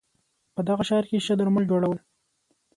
په دغه ښار کې ښه درمل جوړول